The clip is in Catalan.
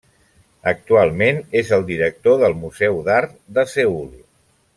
Actualment és el director del Museu d'Art de Seül.